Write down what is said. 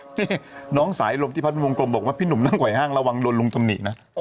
นี่น้องสายลมที่พัดวงกลมบอกว่าพี่หนุ่มนั่งไหวห้างระวังโดนลุงตำหนินะ